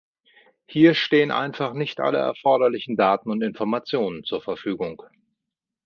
Hier stehen einfach nicht alle erforderlichen Daten und Informationen zur Verfügung.